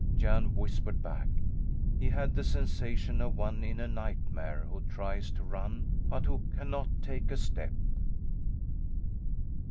Jan whispered back. He had the sensation of one in a nightmare who tries to run but who cannot take a step.